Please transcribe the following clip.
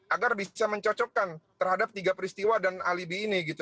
agar bisa mencocokkan terhadap tiga peristiwa dan alibi